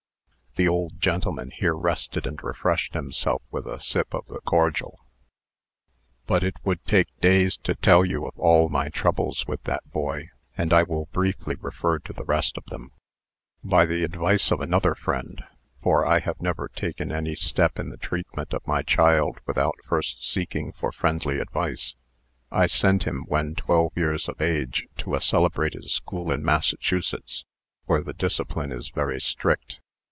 The old gentleman here rested, and refreshed himself with a sip of the cordial. "But it would take days to tell you of all my troubles with that boy, and I will briefly refer to the rest of them. "By the advice of another friend (for I have never taken any step in the treatment of my child without first seeking for friendly advice), I sent him, when twelve years of age, to a celebrated school in Massachusetts, where the discipline is very strict.